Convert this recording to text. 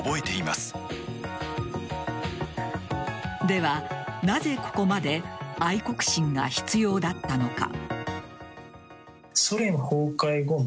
では、なぜここまで愛国心が必要だったのか。